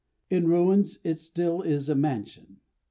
In ruins it still is a mansion.